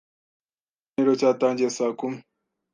Ikiganiro cyatangiye saa kumi.